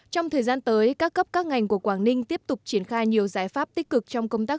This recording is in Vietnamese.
trong thời gian tới các cấp các ngành của quảng ninh tiếp tục triển khai nhiều giải pháp tích cực